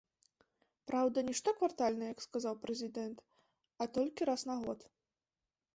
Праўда, не штоквартальна, як сказаў прэзідэнт, а толькі раз на год.